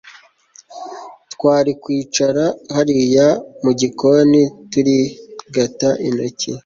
twari kwicara hariya mugikoni, turigata intoki